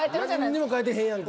何にも変えてへんやん。